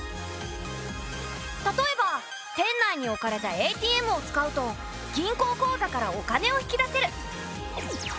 例えば店内に置かれたＡＴＭを使うと銀行口座からお金を引き出せる。